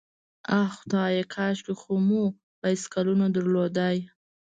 آه خدایه، کاشکې خو مو بایسکلونه درلودای.